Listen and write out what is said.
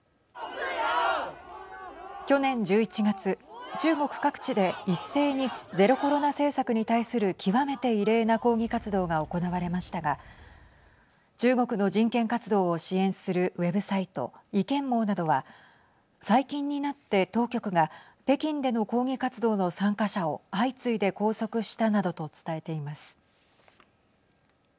去年１１月、中国各地で一斉にゼロコロナ政策に対する極めて異例な抗議活動が行われましたが中国の人権活動を支援するウェブサイト維権網などは、最近になって当局が北京での抗議活動の参加者を相次いで拘束したなどと伝えています。